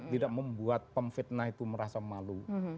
tidak membuat pemfitnah itu merasa malu